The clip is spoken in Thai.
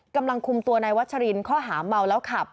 กำลังคุมตัวในวัชฌิรินทร์เขาหาเมาแล้วขับ